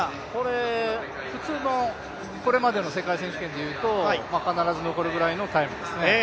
これまでの世界選手権でいうと、必ず残るぐらいのタイムですね。